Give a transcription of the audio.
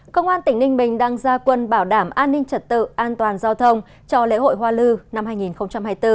công an tỉnh ninh bình đang ra quân bảo đảm an ninh trật tự an toàn giao thông cho lễ hội hoa lư năm hai nghìn hai mươi bốn